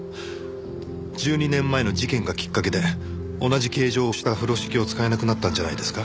１２年前の事件がきっかけで同じ形状をした風呂敷を使えなくなったんじゃないですか？